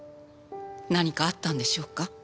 何かあったんでしょうか？